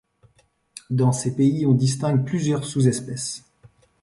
Dans ces pays, on distingue plusieurs sous-espèces.